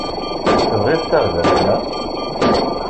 Tebɣiḍ taɣdemt, naɣ?